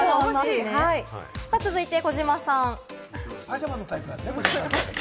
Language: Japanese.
続いて児嶋さん。